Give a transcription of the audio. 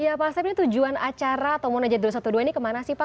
ya pak asep ini tujuan acara atau munajat dua ratus dua belas ini kemana sih pak